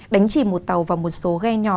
đánh chỉ một tàu và một số ghe nhỏ